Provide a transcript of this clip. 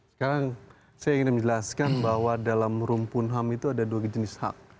sekarang saya ingin menjelaskan bahwa dalam rumpun ham itu ada dua jenis hak